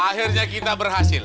akhirnya kita berhasil